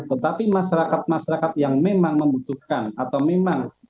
tetapi masyarakat masyarakat yang memang membutuhkan atau memang